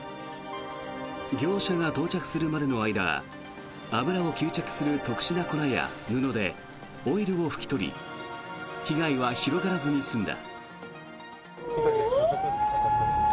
業者が到着するまでの間油を吸着する特殊な粉や布でオイルを拭き取り被害は広がらずに済んだ。